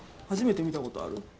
初めて見たことある？